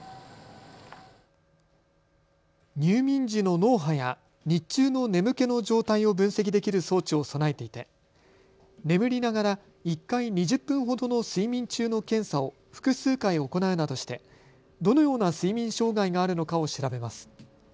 入眠時の脳波や日中の眠気の状態を分析できる装置を備えていて眠りながら１回２０分ほどの睡眠中の検査を複数回行うなどしてどのような睡眠障害があるのかを調べます。